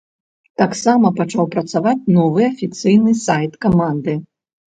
Таксама пачаў працаваць новы афіцыйны сайт каманды.